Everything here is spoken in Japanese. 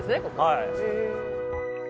はい。